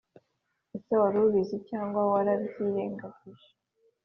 Ese wari ubizi cyangwa warabyirengangije